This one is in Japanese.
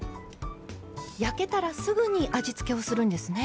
焼けたらすぐに味付けをするんですね。